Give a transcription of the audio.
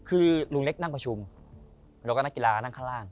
คือลุงเล็กนั่งประชุมแล้วก็นักกีฬานั่งข้างล่าง